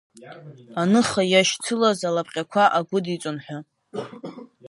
Аныха иашьцылаз алапҟьақәа агәыдиҵон ҳәа.